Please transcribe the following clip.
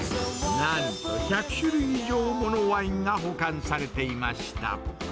なんと１００種類以上ものワインが保管されていました。